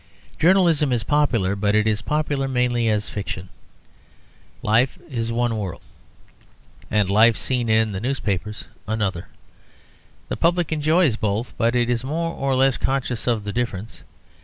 Journalism is popular, but it is popular mainly as fiction. Life is one world, and life seen in the newspapers another; the public enjoys both, but it is more or less conscious of the difference.